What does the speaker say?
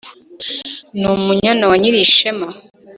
N'Umunyana wa Nyiri-ishema,